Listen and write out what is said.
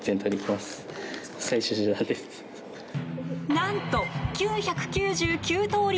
何と９９９通り